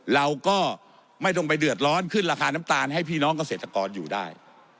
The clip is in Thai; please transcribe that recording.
เราก็ไม่ต้องไปเดือดร้อนขึ้นราคาน้ำตาลให้พี่น้องเกษตรกรอยู่ได้